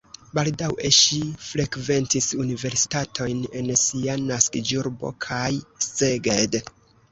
Baldaŭe ŝi frekventis universitatojn en sia naskiĝurbo kaj Szeged.